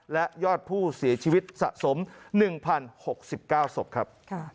และยอดผู้เสียชีวิตสะสม๑๐๖๙ศพครับ